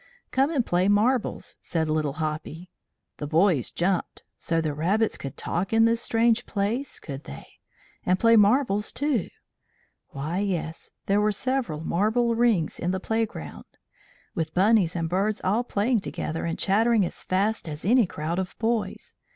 "Come and play marbles," said Little Hoppy. The boys jumped. So the rabbits could talk in this strange place, could they? And play marbles, too? Why, yes, there were several marble rings in the playground, with bunnies and birds all playing together and chattering as fast as any crowd of boys.